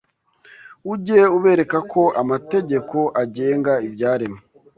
ujye ubereka ko amategeko agenga ibyaremwe